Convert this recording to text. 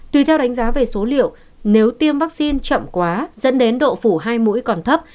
tùy theo đánh giá về số liệu nếu tiêm vaccine chậm quá dẫn đến độ phủ hai mũi còn thấp